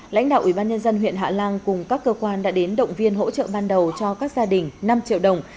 lãnh đạo ubnd huyện hạ lan cùng các cơ quan đã đến động viên hỗ trợ ban đầu cho các gia đình năm triệu đồng